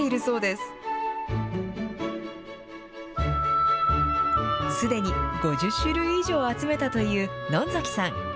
すでに５０種類以上集めたというのんざきさん。